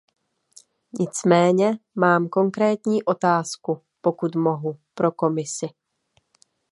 Nicméně, mám konkrétní otázku, pokud mohu, pro Komisi.